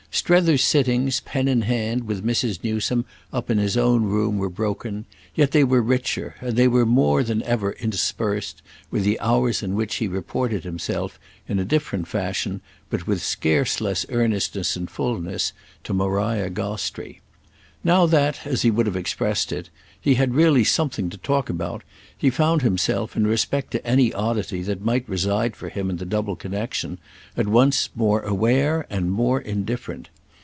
Strether's sittings pen in hand with Mrs. Newsome up in his own room were broken, yet they were richer; and they were more than ever interspersed with the hours in which he reported himself, in a different fashion, but with scarce less earnestness and fulness, to Maria Gostrey. Now that, as he would have expressed it, he had really something to talk about he found himself, in respect to any oddity that might reside for him in the double connexion, at once more aware and more indifferent.